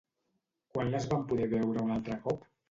Quan les va poder veure un altre cop?